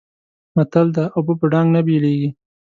متل دی: اوبه په ډانګ نه بېلېږي.